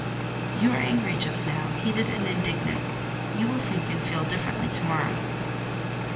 "You are angry just now, heated and indignant; you will think and feel differently to morrow."